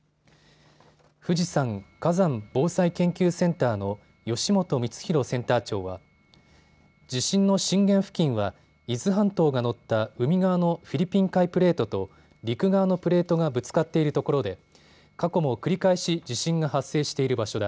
富士山火山防災研究センターの吉本充宏センター長は地震の震源付近は伊豆半島が乗った海側のフィリピン海プレートと陸側のプレートがぶつかっているところで過去も繰り返し地震が発生している場所だ。